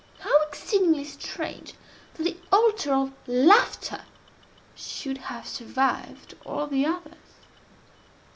How exceedingly strange that the altar of Laughter should have survived all the others!